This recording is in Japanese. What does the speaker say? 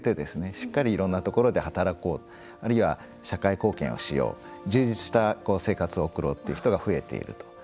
しっかりいろんなところで働こうあるいは社会貢献をしよう充実した生活を送ろうっていう方が増えていると。